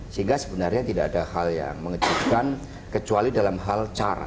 sehingga sebenarnya tidak ada hal yang mengejutkan kecuali dalam hal cara